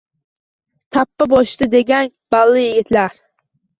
Tappa bosishdi deng… Balli, yigitlar!